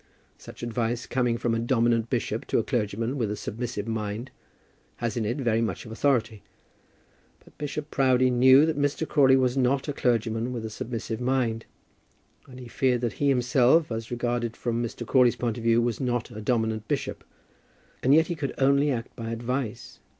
Such advice coming from a dominant bishop to a clergyman with a submissive mind, has in it very much of authority. But Bishop Proudie knew that Mr. Crawley was not a clergyman with a submissive mind, and he feared that he himself, as regarded from Mr. Crawley's point of view, was not a dominant bishop. And yet he could only act by advice.